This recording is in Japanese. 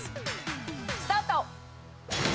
スタート！